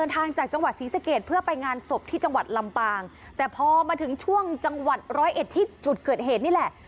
ทางจากจังหวัดศรีสะเกดเพื่อไปงานศพที่จังหวัดลำปางแต่พอมาถึงช่วงจังหวัดร้อยเอ็ดที่จุดเกิดเหตุนี่แหละ